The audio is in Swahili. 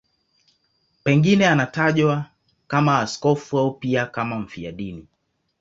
Pengine anatajwa kama askofu au pia kama mfiadini.